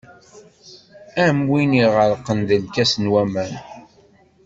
Am win iɣerqen deg lkas n waman.